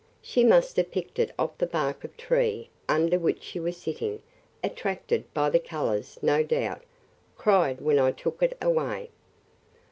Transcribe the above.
She must have picked it off the bark of tree under which she was sitting. Attracted by the colors, no doubt. Cried when I took it away.'